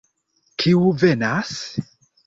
Kiu venas?